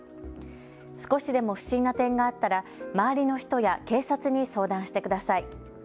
少しでも不審な点があったら周りの人や警察に相談してください。